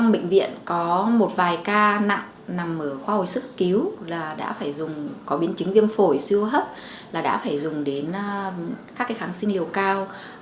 biến chứng viêm phổi siêu hấp đã phải dùng đến các kháng sinh liều cao